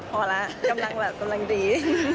พอแล้วกำลังดี